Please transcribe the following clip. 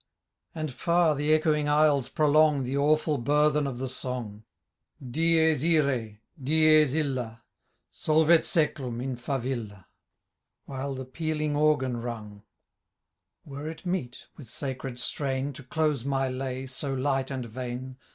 1 47 And far the echoing aisles prolong The awfiil burthen of the song, Dibs ira, dibs illa, solvbt s^clum in pa villa ; While the pealing organ rung ; Were it meet with sacred strain To close my lay, so light and vain.